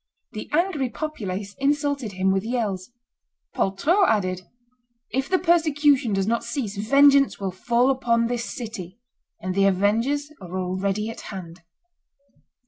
The angry populace insulted him with yells; Poltrot added, "If the persecution does not cease, vengeance will fall upon this city, and the avengers are already at hand."